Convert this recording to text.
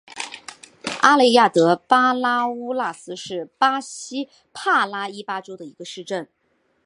阿雷亚德巴拉乌纳斯是巴西帕拉伊巴州的一个市镇。